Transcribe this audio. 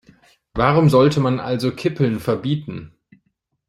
Warum sollte man also Kippeln verbieten?